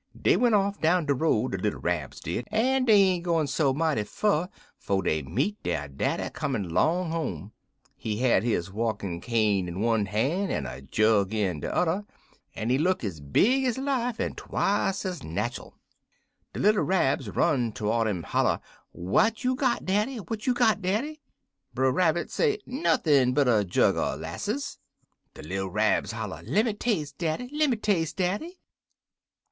"Dey went off down de road, de little Rabs did, en dey ain't gone so mighty fur 'fo' dey meet der daddy comin' 'long home. He had his walkin' cane in one han' en a jug in de udder, en he look ez big ez life, en twice ez natchul. "De little Rabs run to'rds 'im en holler, 'What you got, daddy? What you got, daddy?' "Brer Rabbit say, 'Nothin' but er jug er 'lasses.' "De little Rabs holler, 'Lemme tas'e, daddy! Lemme tas'e, daddy!'